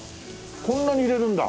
こんなに入れるんだ。